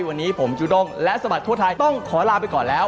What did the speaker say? วันนี้ผมจูด้งและสมัครทั่วไทยต้องขอลาไปก่อนแล้ว